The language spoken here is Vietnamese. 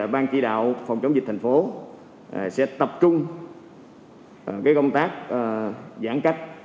ban chỉ đạo phòng chống dịch thành phố sẽ tập trung công tác giãn cách